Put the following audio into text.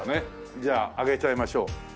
じゃあ開けちゃいましょう。